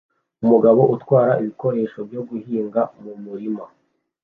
Umugabo utwara ibikoresho byo guhinga mumurima